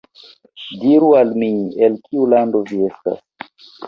Diru al mi, el kiu lando vi estas.